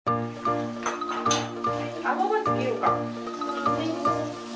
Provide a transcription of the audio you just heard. あわわつけようか。